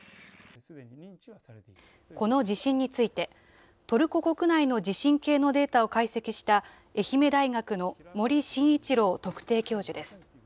この地震について、トルコ国内の地震計のデータを解析した、愛媛大学の森伸一郎特定教授です。